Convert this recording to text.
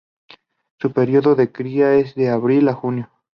Su periodo de cría es de abril a junio.